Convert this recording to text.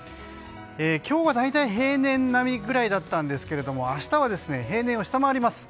今日は大体平年並みぐらいだったんですが明日は平年を下回ります。